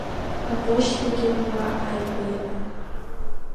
Аԥошьҭагьы уа ааигәа иҟан.